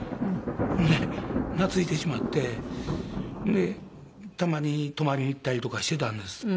ほんで懐いてしまってでたまに泊まりに行ったりとかしてたんです。